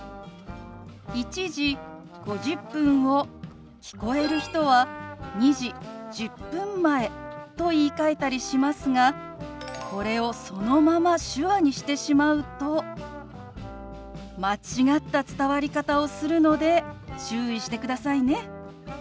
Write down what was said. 「１時５０分」を聞こえる人は「２時１０分前」と言いかえたりしますがこれをそのまま手話にしてしまうと間違った伝わり方をするので注意してくださいね。